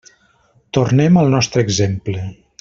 Tornem al nostre exemple.